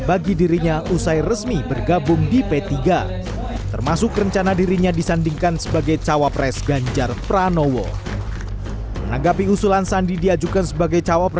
bagi dirinya usai resmi bergabung